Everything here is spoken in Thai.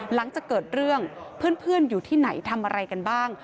หลังจากเกิดเรื่องเพื่อนอยู่ที่ไหนทำอะไรกันบ้าง